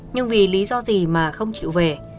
nhưng vì lý do gì mà không chịu về